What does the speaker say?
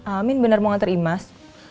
amin benar mau ngantri mas